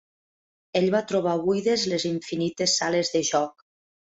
Ell va trobar buides les infinites sales de joc!